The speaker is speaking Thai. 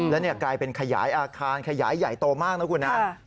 แล้วนี่กลายเป็นขยายอาคารขยายใหญ่โตมากนะคุณอาจารย์